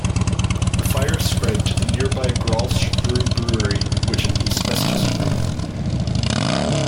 The fire spread to the nearby Grolsch Beer brewery which had an asbestos roof.